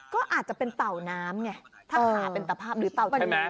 ก็อาจจะเป็นเต่าน้ำไงถ้าขาเป็นตภาพหรือเต่าน้ำ